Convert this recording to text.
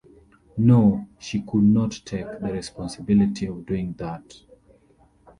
No, she could not take the responsibility of doing that!